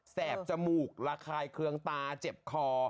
แบบจมูกระคายเคืองตาเจ็บคอ